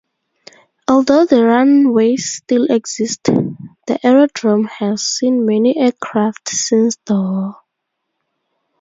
Although the runways still exist, the aerodrome has seen many aircraft since the war.